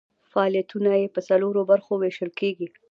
فعالیتونه یې په څلورو برخو ویشل کیږي.